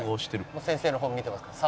先生の本見てますから。